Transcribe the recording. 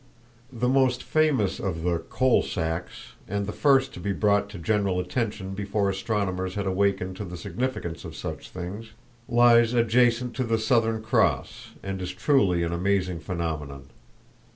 The most famous of the "coal sacks," and the first to be brought to general attention before astronomers had awakened to the significance of such things, lies adjacent to the "Southern Cross," and is truly an amazing phenomenon.